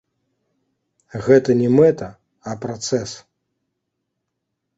Гэта не мэта, а працэс.